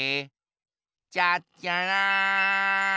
ちゃっちゃら！